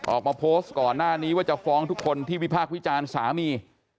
ออกมาโพสต์ก่อนหน้านี้ว่าจะฟ้องทุกคนที่วิพากษ์วิจารณ์สามี